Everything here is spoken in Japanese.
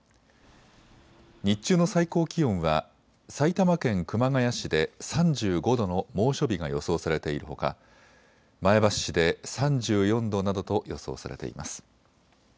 日中の最高気温は埼玉県熊谷市で３５度の猛暑日が予想されているほか前橋市で３４度などと予想されています。